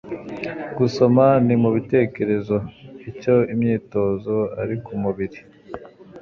gusoma ni mubitekerezo icyo imyitozo ari kumubiri